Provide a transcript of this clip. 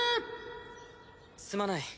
すまない。